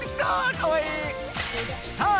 かわいい！さあ！